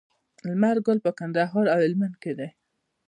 لمر ګل په کندهار او هلمند کې دی.